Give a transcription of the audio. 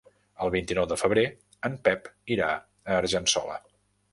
El vint-i-nou de febrer en Pep irà a Argençola.